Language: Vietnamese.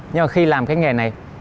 nhưng mà khi làm cái nghề này